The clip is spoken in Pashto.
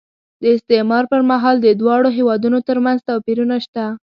د استعمار پر مهال د دواړو هېوادونو ترمنځ توپیرونه شته.